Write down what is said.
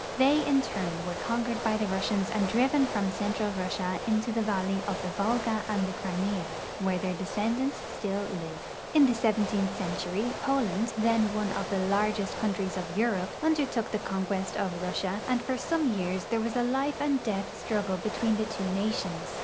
They in turn were conquered by the Russians and driven from central Russia into the valley of the Volga and the Crimea, where their descendants still live. In the seventeentli century Poland, then one of the largest countries of Europe, undertook the conquest of Russia, and for some years there was a life and death struggle between the two nations.